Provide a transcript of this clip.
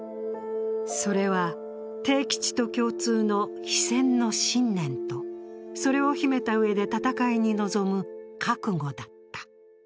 それは悌吉と共通の非戦の信念とそれを秘めたうえで戦いに臨む覚悟だった。